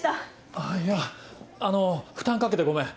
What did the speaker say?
あっいやあの負担掛けてごめん。